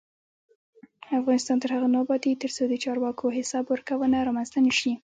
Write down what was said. افغانستان تر هغو نه ابادیږي، ترڅو د چارواکو حساب ورکونه رامنځته نشي.